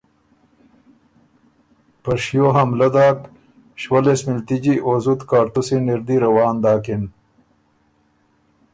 په شیو حملۀ داک شوهلیس مِلتجی او زُت کاړتُوسی ن اِر دی روان داکِن۔